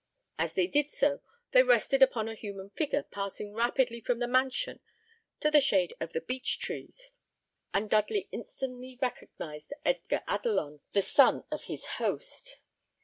As they did so, they rested upon a human figure passing rapidly from the mansion to the shade of the beech trees; and Dudley instantly recognised Edgar Adelon, the son of his host.